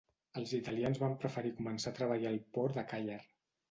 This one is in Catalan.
Els italians van preferir començar a treballar al port de Càller